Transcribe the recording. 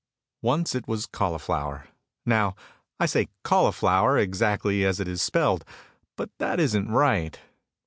Once it was cauliflower. Now, I say cauliflower exactly as it is spelled but that isn't right.